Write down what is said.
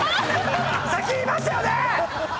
先言いましたよね